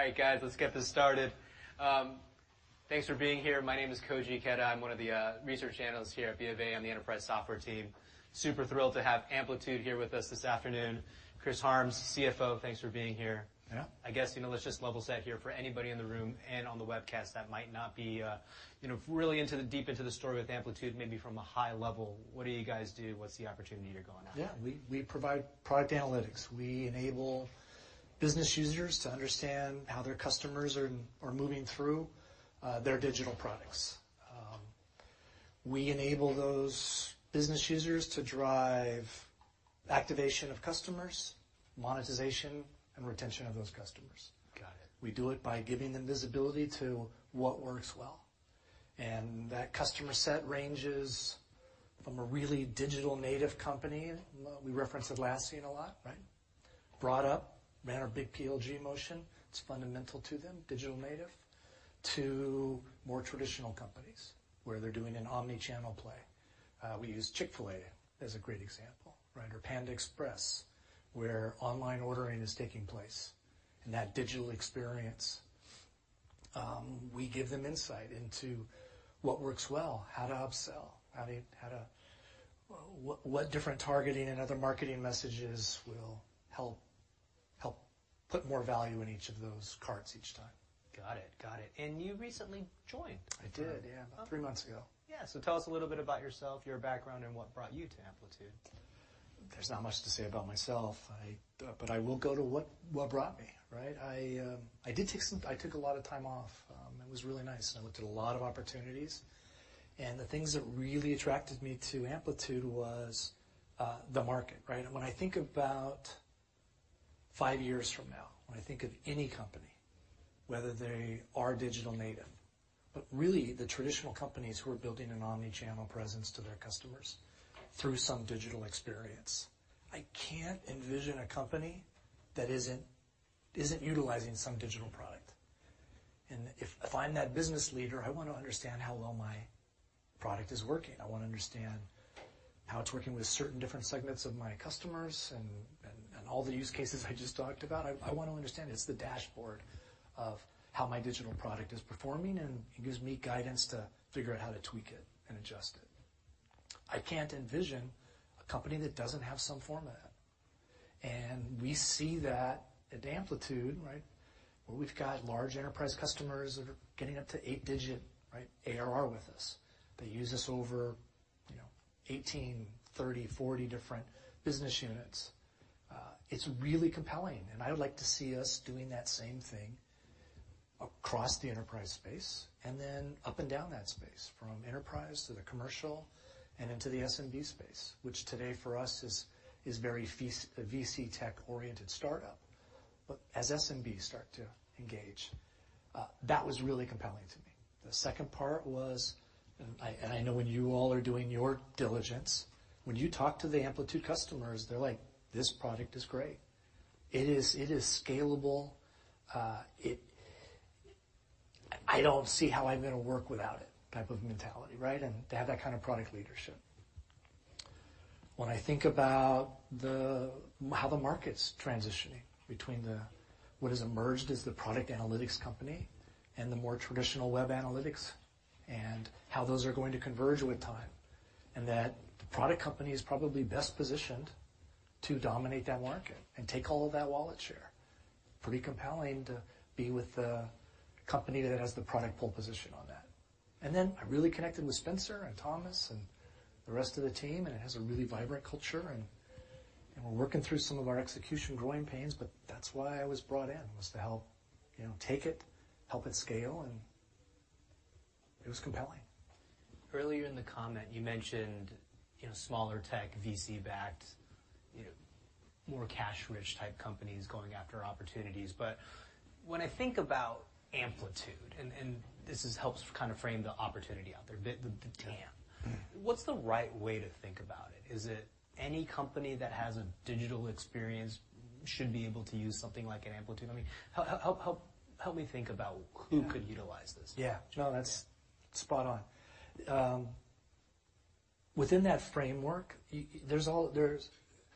All right, guys, let's get this started. Thanks for being here. My name is Koji Ikeda. I'm one of the research analysts here at BofA on the enterprise software team. Super thrilled to have Amplitude here with us this afternoon. Christopher Harms, CFO, thanks for being here. Yeah. I guess, you know, let's just level set here for anybody in the room and on the webcast that might not be, you know, really into the deep into the story with Amplitude, maybe from a high level, what do you guys do? What's the opportunity you're going after? Yeah. We provide product analytics. We enable business users to understand how their customers are moving through their digital products. We enable those business users to drive activation of customers, monetization, and retention of those customers. Got it. We do it by giving them visibility to what works well, and that customer set ranges from a really digital native company. We reference Atlassian a lot, right? Brought up, made our big PLG motion. It's fundamental to them, digital native, to more traditional companies, where they're doing an omni-channel play. We use Chick-fil-A as a great example, right? Or Panda Express, where online ordering is taking place and that digital experience. We give them insight into what works well, how to upsell, how to, what different targeting and other marketing messages will help put more value in each of those carts each time. Got it. Got it. You recently joined? I did, yeah, about three months ago. Yeah. tell us a little bit about yourself, your background, and what brought you to Amplitude? There's not much to say about myself. I, but I will go to what brought me, right? I took a lot of time off. It was really nice. I looked at a lot of opportunities, and the things that really attracted me to Amplitude was, the market, right? When I think about five years from now, when I think of any company, whether they are digital native, but really the traditional companies who are building an omni-channel presence to their customers through some digital experience, I can't envision a company that isn't utilizing some digital product. If I'm that business leader, I want to understand how well my product is working. I want to understand how it's working with certain different segments of my customers and all the use cases I just talked about. I want to understand, it's the dashboard of how my digital product is performing, and it gives me guidance to figure out how to tweak it and adjust it. I can't envision a company that doesn't have some form of that. We see that at Amplitude, right, where we've got large enterprise customers that are getting up to 8-digit, right, ARR with us. They use us over, you know, 18, 30, 40 different business units. It's really compelling, and I would like to see us doing that same thing across the enterprise space, and then up and down that space, from enterprise to the commercial and into the SMB space, which today, for us, is very VC, a VC tech-oriented startup. As SMB start to engage, that was really compelling to me. The second part was, I know when you all are doing your diligence, when you talk to the Amplitude customers, they're like: "This product is great. It is scalable. I don't see how I'm gonna work without it" type of mentality, right? To have that kind of product leadership. When I think about how the market's transitioning between what has emerged as the product analytics company and the more traditional web analytics, and how those are going to converge with time, and that the product company is probably best positioned to dominate that market and take all of that wallet share. Pretty compelling to be with the company that has the product pole position on that. I really connected with Spencer and Thomas and the rest of the team. It has a really vibrant culture, and we're working through some of our execution growing pains. That's why I was brought in, was to help, you know, take it, help it scale. It was compelling. Earlier in the comment, you mentioned, you know, smaller tech, VC-backed, you know, more cash-rich type companies going after opportunities. When I think about Amplitude, and this is helps kind of frame the opportunity out there, the TAM, what's the right way to think about it? Is it any company that has a digital experience should be able to use something like an Amplitude? I mean, help me think about who could utilize this. Yeah. No, that's spot on. There's,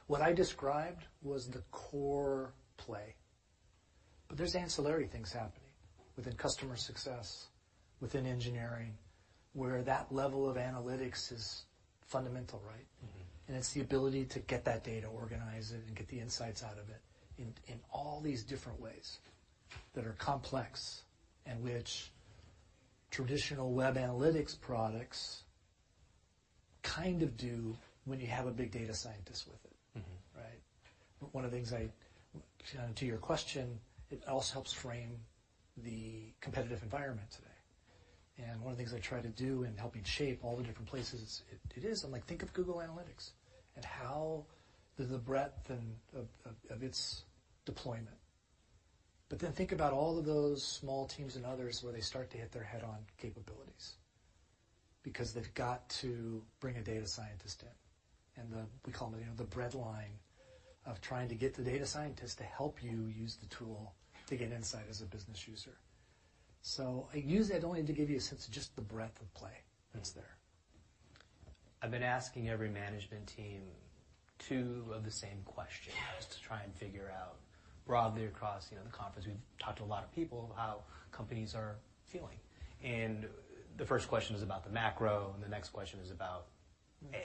what I described was the core play, but there's ancillary things happening within customer success, within engineering, where that level of analytics is fundamental, right? Mm-hmm. It's the ability to get that data, organize it, and get the insights out of it in all these different ways that are complex and which traditional web analytics products kind of do when you have a big data scientist with it. Mm-hmm. Right? One of the things I To your question, it also helps frame the competitive environment today. One of the things I try to do in helping shape all the different places it is, I'm like: Think of Google Analytics and how the breadth and of its deployment. Think about all of those small teams and others where they start to hit their head-on capabilities because they've got to bring a data scientist in, we call them, you know, the breadline of trying to get the data scientist to help you use the tool to get insight as a business user. I use that only to give you a sense of just the breadth of play that's there.... I've been asking every management team two of the same questions to try and figure out broadly across, you know, the conference. We've talked to a lot of people how companies are feeling. The first question is about the macro, and the next question is about AI.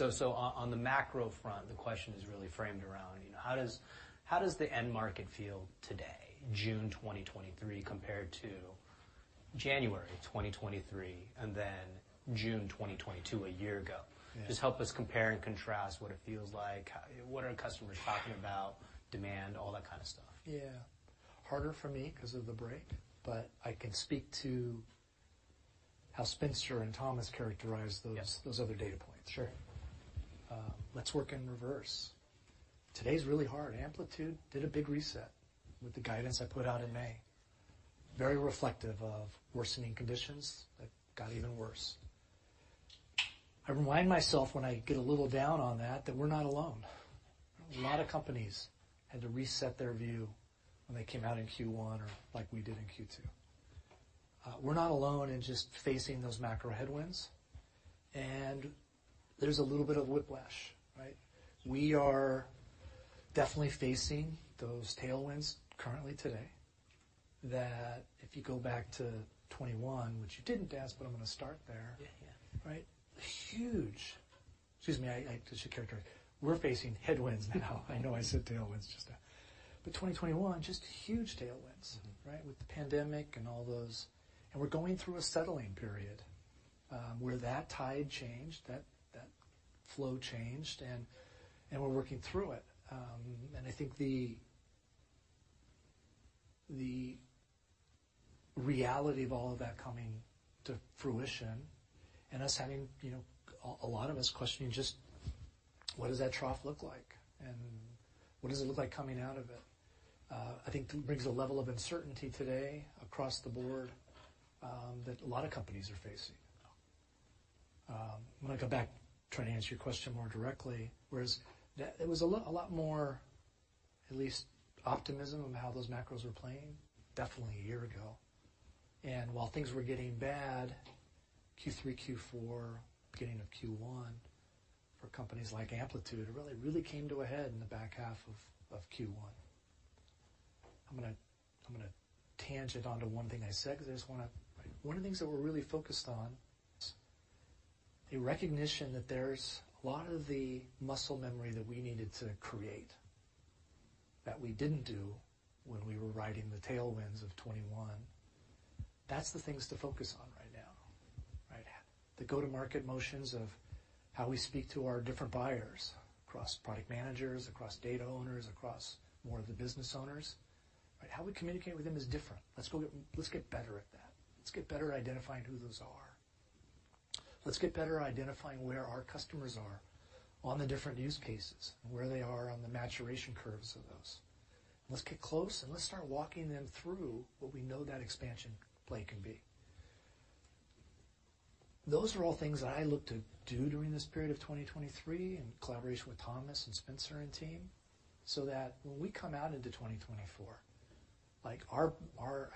On the macro front, the question is really framed around, you know, how does the end market feel today, June 2023, compared to January 2023 and then June 2022, a year ago? Yeah. Just help us compare and contrast what it feels like, what are customers talking about, demand, all that kind of stuff. Yeah. Harder for me because of the break, but I can speak to how Spencer and Thomas characterized those- Yes those other data points. Sure. Let's work in reverse. Today's really hard. Amplitude did a big reset with the guidance I put out in May, very reflective of worsening conditions that got even worse. I remind myself when I get a little down on that we're not alone. A lot of companies had to reset their view when they came out in Q1, or like we did in Q2. We're not alone in just facing those macro headwinds, and there's a little bit of whiplash, right? We are definitely facing those tailwinds currently today, that if you go back to 2021, which you didn't ask, but I'm gonna start there. Yeah, yeah. Right? Excuse me, I should characterize. We're facing headwinds now. I know I said tailwinds just now, 2021, just huge tailwinds- Mm-hmm. -right? With the pandemic and all those, and we're going through a settling period, where that tide changed, that flow changed, and we're working through it. I think the reality of all of that coming to fruition and us having, you know, a lot of us questioning just what does that trough look like, and what does it look like coming out of it? I think brings a level of uncertainty today across the board, that a lot of companies are facing. I'm gonna go back, try to answer your question more directly. It was a lot more, at least optimism about how those macros were playing, definitely a year ago. While things were getting bad, Q3, Q4, beginning of Q1, for companies like Amplitude, it really came to a head in the back half of Q1. I'm gonna tangent onto one thing I said, 'cause I just want One of the things that we're really focused on is the recognition that there's a lot of the muscle memory that we needed to create that we didn't do when we were riding the tailwinds of 2021. That's the things to focus on right now, right? The go-to-market motions of how we speak to our different buyers across product managers, across data owners, across more of the business owners, right? How we communicate with them is different. Let's get better at that. Let's get better at identifying who those are. Let's get better at identifying where our customers are on the different use cases, and where they are on the maturation curves of those. Let's get close, and let's start walking them through what we know that expansion play can be. Those are all things that I look to do during this period of 2023, in collaboration with Thomas and Spencer and team, so that when we come out into 2024, like our...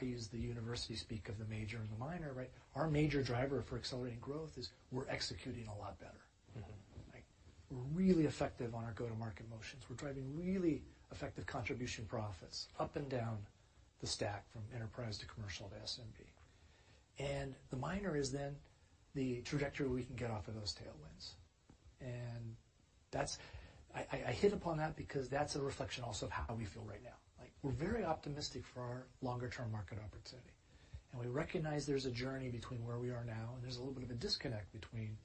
I use the university speak of the major and the minor, right? Our major driver for accelerating growth is we're executing a lot better. Mm-hmm. Like, we're really effective on our go-to-market motions. We're driving really effective contribution profits up and down the stack from enterprise to commercial to SMB. The minor is then the trajectory we can get off of those tailwinds. That's I hit upon that because that's a reflection also of how we feel right now. Like, we're very optimistic for our longer-term market opportunity, and we recognize there's a journey between where we are now, and there's a little bit of a disconnect between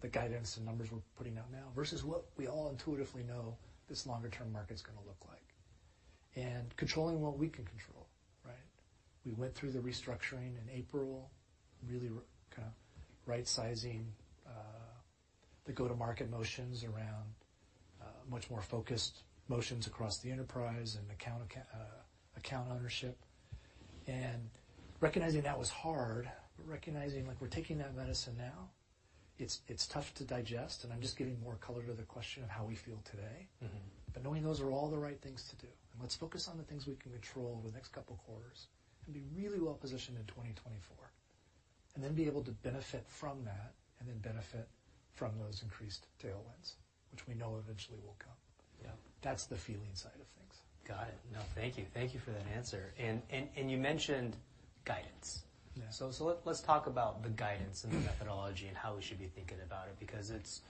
the guidance and numbers we're putting out now, versus what we all intuitively know this longer-term market's gonna look like. Controlling what we can control, right? We went through the restructuring in April, really kinda right-sizing the go-to-market motions around much more focused motions across the enterprise and account ownership. Recognizing that was hard, but recognizing, like, we're taking that medicine now. It's tough to digest, and I'm just giving more color to the question of how we feel today. Mm-hmm. Knowing those are all the right things to do, and let's focus on the things we can control over the next two quarters and be really well positioned in 2024, and then be able to benefit from that, and then benefit from those increased tailwinds, which we know eventually will come. Yeah. That's the feeling side of things. Got it. No, thank you. Thank you for that answer. You mentioned guidance. Yeah. Let's talk about the guidance and the methodology and how we should be thinking about it, because it's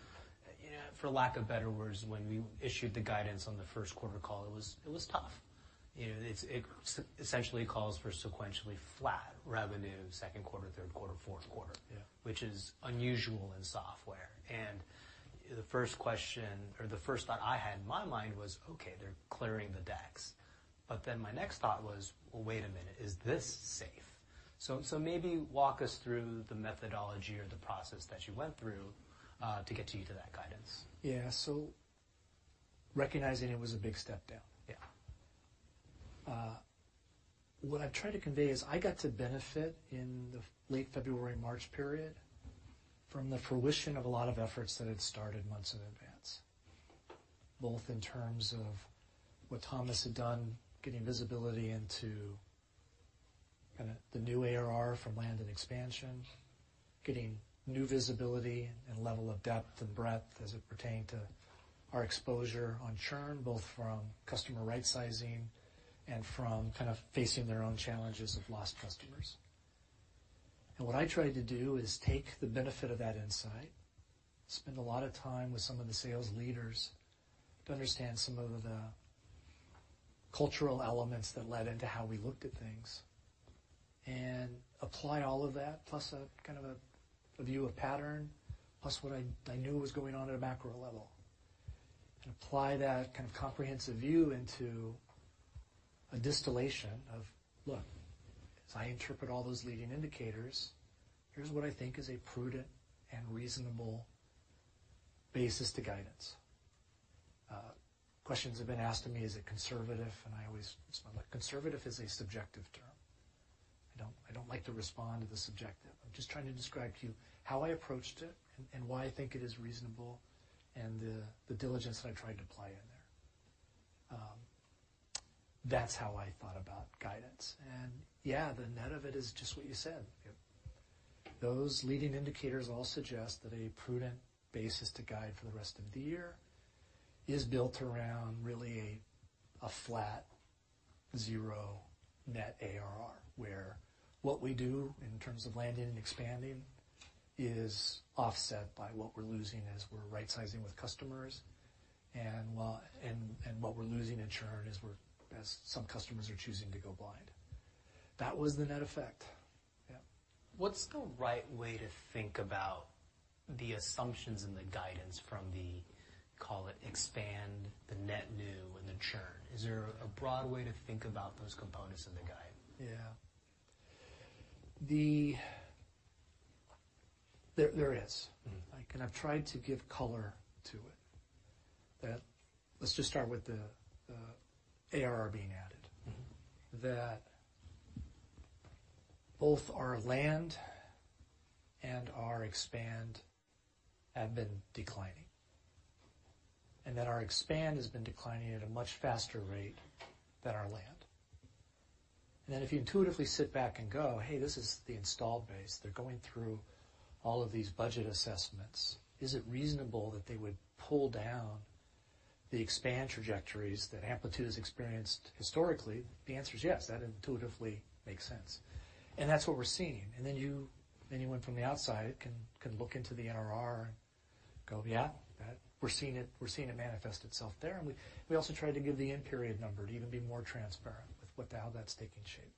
for lack of better words, when we issued the guidance on the first quarter call, it was tough. You know, it's, it essentially calls for sequentially flat revenue, second quarter, third quarter, fourth quarter. Yeah... which is unusual in software. The first question or the first thought I had in my mind was, "Okay, they're clearing the decks." My next thought was, "Well, wait a minute, is this safe?" Maybe walk us through the methodology or the process that you went through to get you to that guidance. Yeah. Recognizing it was a big step down. Yeah. What I've tried to convey is I got to benefit in the late February, March period from the fruition of a lot of efforts that had started months in advance, both in terms of what Thomas had done, getting visibility kind of the new ARR from land and expansion, getting new visibility and level of depth and breadth as it pertained to our exposure on churn, both from customer rightsizing and from kind of facing their own challenges of lost customers. What I tried to do is take the benefit of that insight, spend a lot of time with some of the sales leaders to understand some of the cultural elements that led into how we looked at things, and apply all of that, plus a kind of a view of pattern, plus what I knew was going on at a macro level, and apply that kind of comprehensive view into a distillation of, look, as I interpret all those leading indicators, here's what I think is a prudent and reasonable basis to guidance. Questions have been asked to me, is it conservative? I always respond, like, conservative is a subjective term. I don't like to respond to the subjective. I'm just trying to describe to you how I approached it and why I think it is reasonable and the diligence that I tried to apply in there. That's how I thought about guidance, and yeah, the net of it is just what you said. Yep. Those leading indicators all suggest that a prudent basis to guide for the rest of the year is built around really a flat zero net ARR, where what we do in terms of landing and expanding is offset by what we're losing as we're rightsizing with customers, and what we're losing in churn as some customers are choosing to go blind. That was the net effect. Yep. What's the right way to think about the assumptions and the guidance from the, call it, expand the net new and the churn? Is there a broad way to think about those components in the guide? Yeah. There is. Mm-hmm. Let's just start with the ARR being added. Mm-hmm. Both our land and our expand have been declining. Our expand has been declining at a much faster rate than our land. If you intuitively sit back and go, "Hey, this is the installed base. They're going through all of these budget assessments, is it reasonable that they would pull down the expand trajectories that Amplitude has experienced historically?" The answer is yes. That intuitively makes sense. That's what we're seeing. You, anyone from the outside can look into the NRR and go, "Yeah, that we're seeing it manifest itself there." We also tried to give the end period number to even be more transparent with how that's taking shape.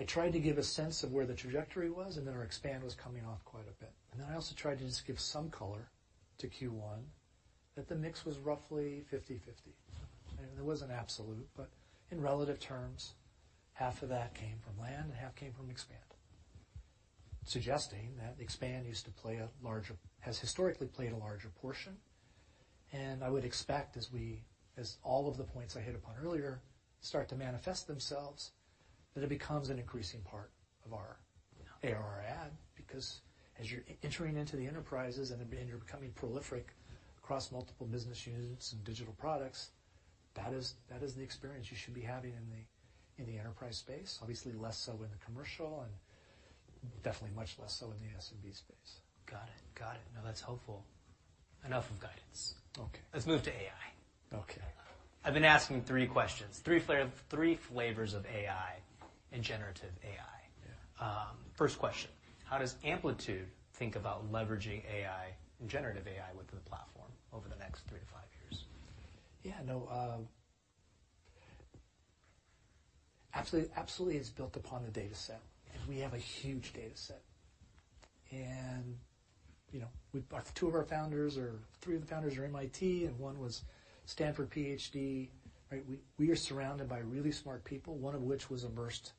I tried to give a sense of where the trajectory was. Our expand was coming off quite a bit. I also tried to just give some color to Q1, that the mix was roughly 50/50. It wasn't absolute, but in relative terms, half of that came from land, and half came from expand, suggesting that expand used to play a larger portion. I would expect as we, as all of the points I hit upon earlier, start to manifest themselves, that it becomes an increasing part of our. Yeah... ARR add, because as you're entering into the enterprises and then you're becoming prolific across multiple business units and digital products, that is the experience you should be having in the enterprise space. Obviously, less so in the commercial, and definitely much less so in the SMB space. Got it. No, that's helpful. Enough of guidance. Okay. Let's move to AI. Okay. I've been asking 3 questions, 3 flavors of AI and generative AI. Yeah. First question. How does Amplitude think about leveraging AI and generative AI within the platform over the next three to five years? Yeah, no, absolutely it's built upon the data set, and we have a huge data set. You know, two of our founders or three of the founders are MIT, and one was Stanford PhD, right? We are surrounded by really smart people, one of which was immersed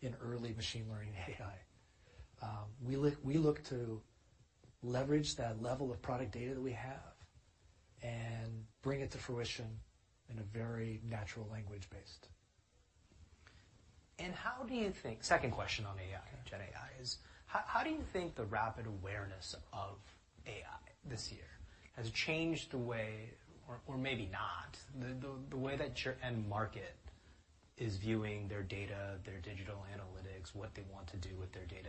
in early machine learning and AI. We look to leverage that level of product data that we have and bring it to fruition in a very natural language based. How do you think... Second question on AI, gen AI, is: How do you think the rapid awareness of AI this year has changed the way, or maybe not, the way that your end market is viewing their data, their digital analytics, what they want to do with their data?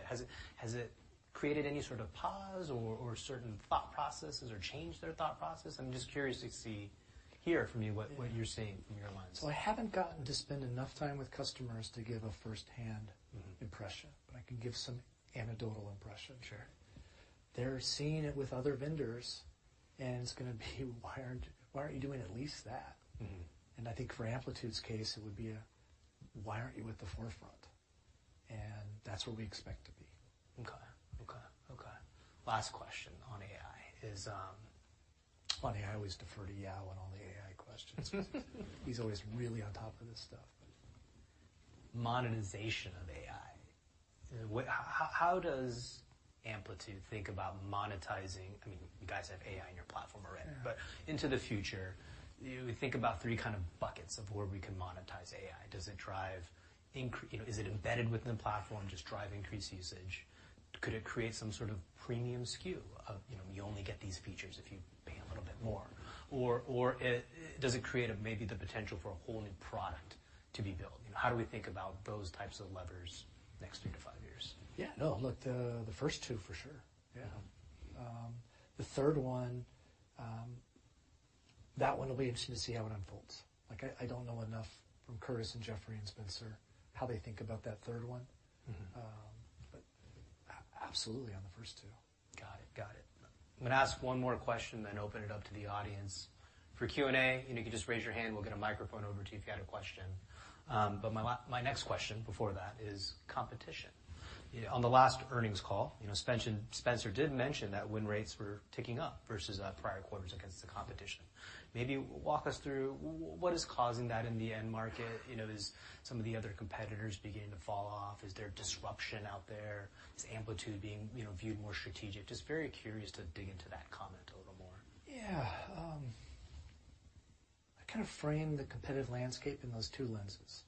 Has it created any sort of pause or certain thought processes, or changed their thought process? I'm just curious to hear from you what you're seeing from your lines. Well, I haven't gotten to spend enough time with customers to give a firsthand-. Mm-hmm... impression, but I can give some anecdotal impression. Sure. They're seeing it with other vendors, and it's gonna be, "Why aren't you doing at least that? Mm-hmm. I think for Amplitude's case, it would be a, "Why aren't you at the forefront?" That's where we expect to be. Okay. Okay, okay. Last question on AI is. Funny, I always defer to Yao on all the AI questions. He's always really on top of this stuff. Monetization of AI. How does Amplitude think about monetizing... I mean, you guys have AI in your platform already? Yeah. Into the future, you think about 3 kind of buckets of where we can utilize AI? Does it drive, you know, is it embedded within the platform, just drive increased usage? Could it create some sort of premium SKU of, you know, you only get these features if you pay a little bit more? Or, does it create a maybe the potential for a whole new product to be built? How do we think about those types of levers next 3 to 5 years? Yeah, no, look, the first two, for sure. Yeah. The third one, that one will be interesting to see how it unfolds. Like I don't know enough from Curtis and Jeffrey and Spencer , how they think about that third one. Mm-hmm. Absolutely on the first two. Got it. Got it. I'm gonna ask one more question, then open it up to the audience. For Q&A, you know, you can just raise your hand, we'll get a microphone over to you if you had a question. My next question before that is competition. You know, on the last earnings call, you know, Spencer did mention that win rates were ticking up versus prior quarters against the competition. Maybe walk us through what is causing that in the end market? You know, is some of the other competitors beginning to fall off? Is there disruption out there? Is Amplitude being, you know, viewed more strategic? Just very curious to dig into that comment a little more. I kind of frame the competitive landscape in those two lenses,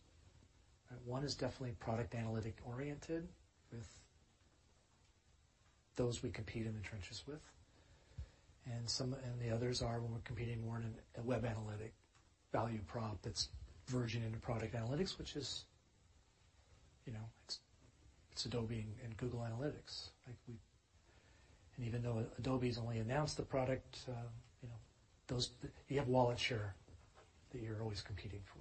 right? One is definitely product analytic oriented, with those we compete in the trenches with, and the others are when we're competing more in a web analytic value prop that's verging into product analytics, which is, you know, it's Adobe and Google Analytics. Even though Adobe's only announced the product, you have wallet share that you're always competing for.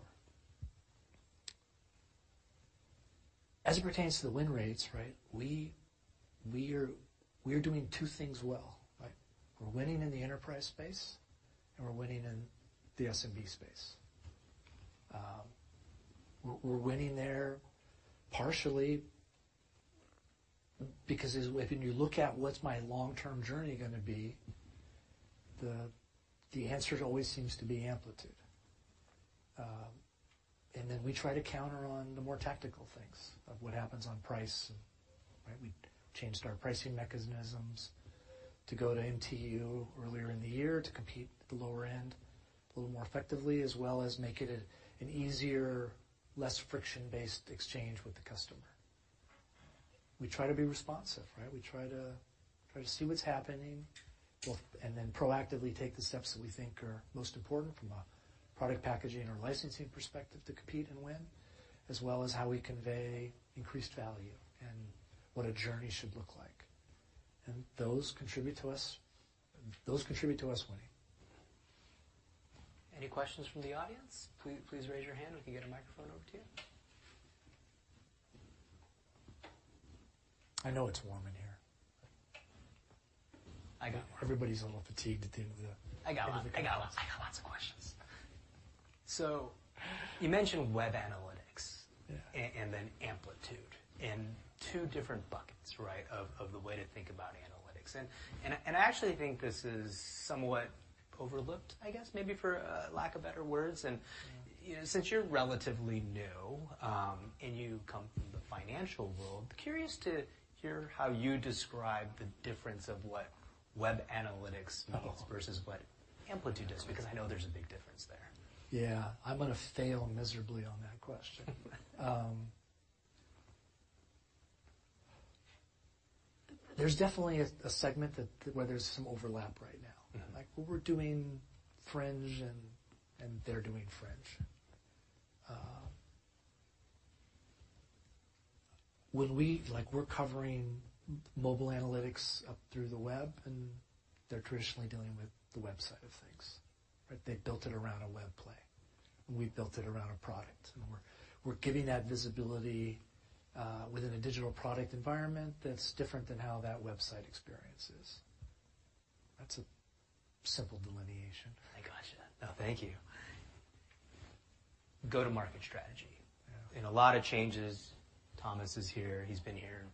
As it pertains to the win rates, right? We are doing 2 things well, right? We're winning in the enterprise space, and we're winning in the SMB space. We're winning there partially because as when you look at what's my long-term journey gonna be, the answer always seems to be Amplitude. Then we try to counter on the more tactical things of what happens on price, right? We changed our pricing mechanisms to go to MTU earlier in the year to compete at the lower end a little more effectively, as well as make it an easier, less friction-based exchange with the customer. We try to be responsive, right? We try to see what's happening, well, and then proactively take the steps that we think are most important from a product packaging or licensing perspective to compete and win, as well as how we convey increased value and what a journey should look like. Those contribute to us winning. Any questions from the audience? Please raise your hand, and we can get a microphone over to you. I know it's warm in here. I got one. Everybody's a little fatigued at the end of. I got lots of questions. You mentioned web analytics- Yeah. and then Amplitude in two different buckets, right? Of the way to think about analytics. I actually think this is somewhat overlooked, I guess, maybe for a lack of better words. Mm-hmm. You know, since you're relatively new, and you come from the financial world, curious to hear how you describe the difference of what web analytics-. Uh-oh. means versus what Amplitude does, because I know there's a big difference there. Yeah. I'm gonna fail miserably on that question. There's definitely a segment that, where there's some overlap right now. Yeah. Like, we're doing fringe and they're doing fringe. Like, we're covering mobile analytics up through the web, and they're traditionally dealing with the website of things, right? They've built it around a web play, and we've built it around a product. We're giving that visibility within a digital product environment that's different than how that website experience is. That's a simple delineation. I gotcha. No, thank you. Go-to-market strategy. Yeah. In a lot of changes, Thomas is here. He's been here...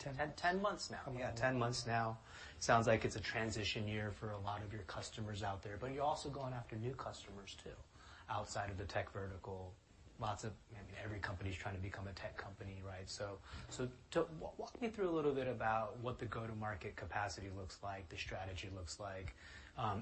10. 10 months now. Yeah. Ten months now. Sounds like it's a transition year for a lot of your customers out there, you're also going after new customers, too, outside of the tech vertical. I mean, every company is trying to become a tech company, right? Mm. Walk me through a little bit about what the go-to-market capacity looks like, the strategy looks like.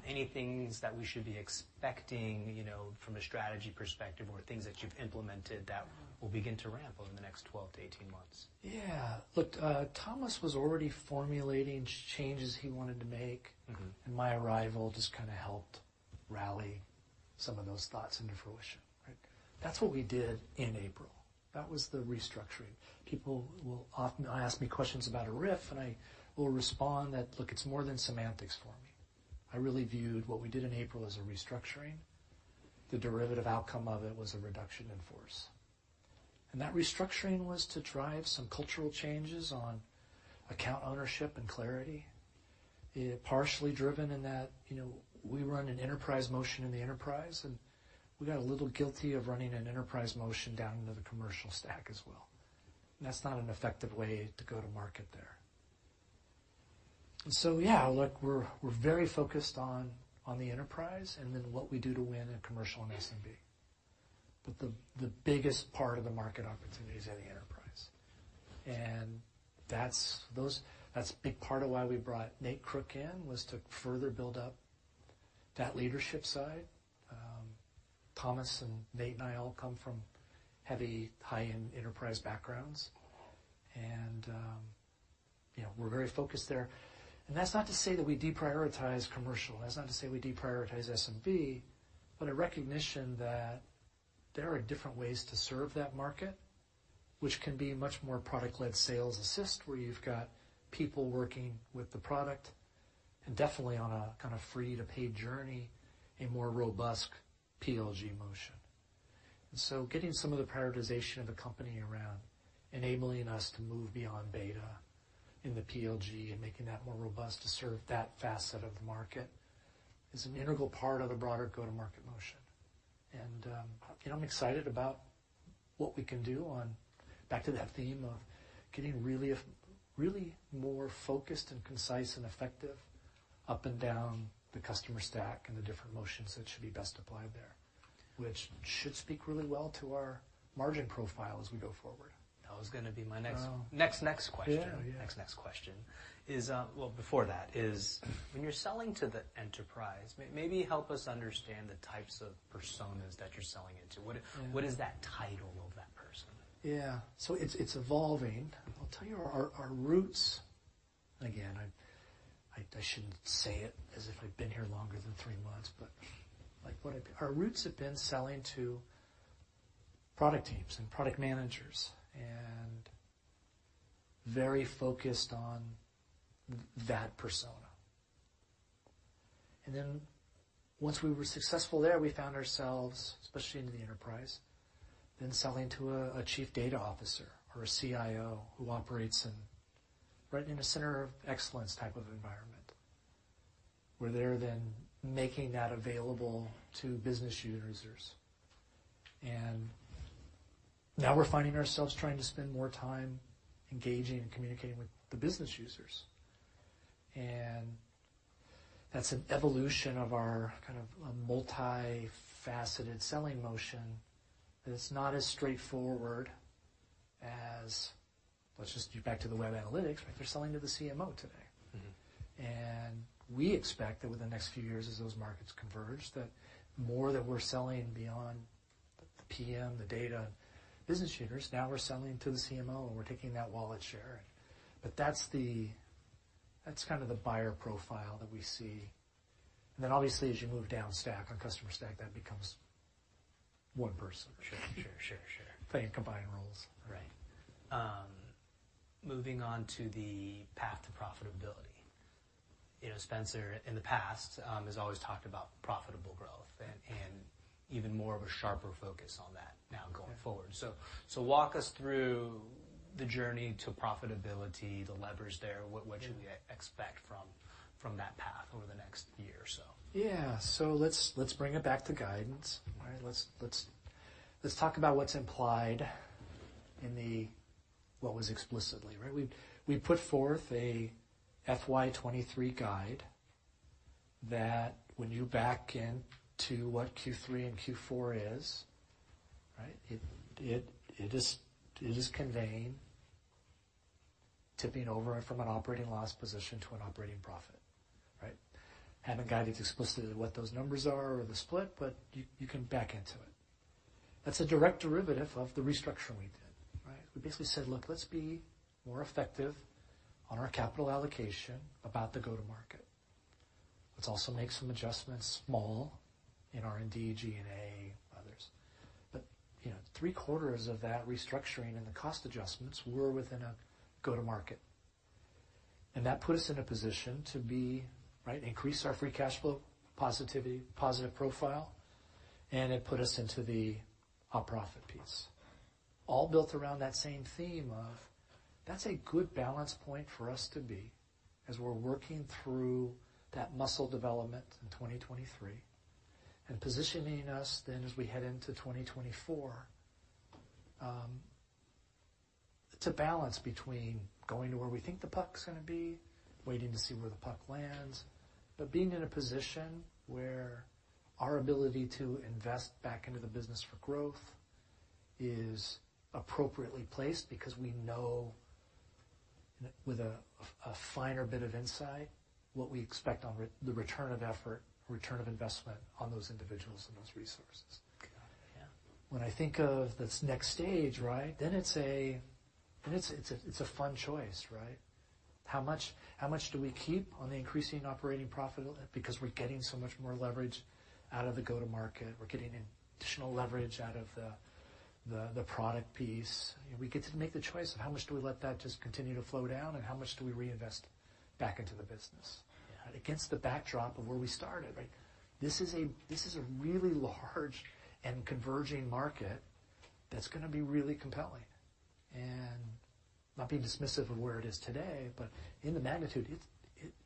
Any things that we should be expecting, you know, from a strategy perspective or things that you've implemented that will begin to ramp over the next 12 to 18 months? Yeah. Look, Thomas was already formulating changes he wanted to make. Mm-hmm. My arrival just kinda helped rally some of those thoughts into fruition, right? That's what we did in April. That was the restructuring. People will often ask me questions about a RIF, I will respond that, look, it's more than semantics for me. I really viewed what we did in April as a restructuring. The derivative outcome of it was a reduction in force. That restructuring was to drive some cultural changes on account ownership and clarity. It partially driven in that, you know, we run an enterprise motion in the enterprise, and we got a little guilty of running an enterprise motion down into the commercial stack as well. That's not an effective way to go to market there. Yeah, look, we're very focused on the enterprise and then what we do to win in commercial and SMB. The biggest part of the market opportunity is in the enterprise. That's, those, that's a big part of why we brought Nate Crook in, was to further build up that leadership side. Thomas and Nate and I all come from heavy high-end enterprise backgrounds, you know, we're very focused there. That's not to say that we deprioritize commercial, that's not to say we deprioritize SMB, but a recognition that there are different ways to serve that market, which can be much more product-led sales assist, where you've got people working with the product and definitely on a kind of free to paid journey, a more robust PLG motion. Getting some of the prioritization of the company around enabling us to move beyond beta in the PLG and making that more robust to serve that facet of the market is an integral part of the broader go-to-market motion. You know, I'm excited about what we can do back to that theme of getting really more focused and concise and effective up and down the customer stack and the different motions that should be best applied there, which should speak really well to our margin profile as we go forward. That was gonna be my next- Oh. Next question. Yeah. Yeah. Next question is, Well, before that, is when you're selling to the enterprise, maybe help us understand the types of personas that you're selling into. Yeah. What is that title of that person? Yeah. It's evolving. I'll tell you, our roots, again, I shouldn't say it as if I've been here longer than three months, but, like, our roots have been selling to product teams and product managers and very focused on that persona. Once we were successful there, we found ourselves, especially in the enterprise, then selling to a chief data officer or a CIO who operates in, right in a center of excellence type of environment, where they're then making that available to business users. Now we're finding ourselves trying to spend more time engaging and communicating with the business users. That's an evolution of our kind of a multifaceted selling motion that's not as straightforward as... Let's just get back to the web analytics, right? They're selling to the CMO today. Mm-hmm. We expect that within the next few years, as those markets converge, that more that we're selling beyond the PM, the data business users, now we're selling to the CMO, and we're taking that wallet share. That's kind of the buyer profile that we see. Obviously, as you move down stack, on customer stack, that becomes one person. Sure, sure, sure. Playing combined roles. Right. Moving on to the path to profitability. You know, Spencer, in the past, has always talked about profitable growth and even more of a sharper focus on that now going forward. Yeah. Walk us through the journey to profitability, the levers there. Yeah. What should we expect from that path over the next year or so? Let's bring it back to guidance. All right? Let's talk about what's implied in the... What was explicitly, right? We put forth a FY23 guide, that when you back in to what Q3 and Q4 is, right, it is conveying, tipping over from an operating loss position to an operating profit, right? Haven't guided explicitly what those numbers are or the split, but you can back into it. That's a direct derivative of the restructuring we did, right? We basically said, "Look, let's be more effective on our capital allocation about the go-to-market. Let's also make some adjustments, small, in R&D, G&A, others." You know, three-quarters of that restructuring and the cost adjustments were within a go-to-market. That put us in a position to be, right, increase our free cash flow, positivity, positive profile, and it put us into a profit piece. All built around that same theme of, that's a good balance point for us to be, as we're working through that muscle development in 2023 and positioning us then as we head into 2024. It's a balance between going to where we think the puck's gonna be, waiting to see where the puck lands, but being in a position where our ability to invest back into the business for growth is appropriately placed because we know, with a finer bit of insight, what we expect on the return of effort, return of investment on those individuals and those resources. Got it. When I think of this next stage, right? It's a fun choice, right? How much, how much do we keep on the increasing operating profit, because we're getting so much more leverage out of the go-to-market. We're getting additional leverage out of the product piece. We get to make the choice of how much do we let that just continue to flow down, and how much do we reinvest back into the business. Yeah. Against the backdrop of where we started, right? This is a really large and converging market that's gonna be really compelling. Not being dismissive of where it is today, but in the magnitude,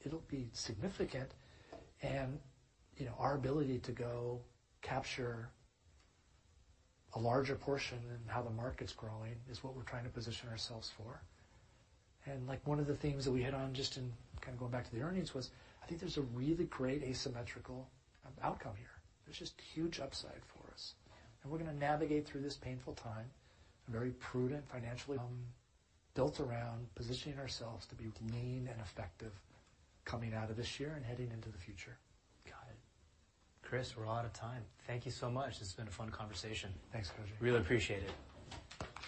it'll be significant. You know, our ability to go capture a larger portion in how the market's growing is what we're trying to position ourselves for. Like, one of the themes that we hit on just in, kind of going back to the earnings, was, I think there's a really great asymmetrical outcome here. There's just huge upside for us, and we're gonna navigate through this painful time, a very prudent, financially, built around positioning ourselves to be lean and effective coming out of this year and heading into the future. Got it. Chris, we're out of time. Thank you so much. It's been a fun conversation. Thanks, Koji. Really appreciate it.